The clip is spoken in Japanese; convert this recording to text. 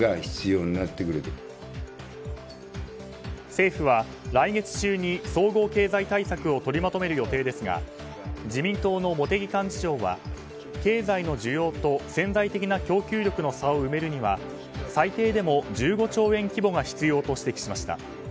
政府は来月中に総合経済対策を取りまとめる予定ですが自民党の茂木幹事長は経済の需要と潜在的な供給力の差を埋めるには最低でも１５兆円規模が必要と指摘しました。